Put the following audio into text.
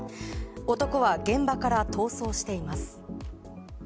男は、現場から逃走しています。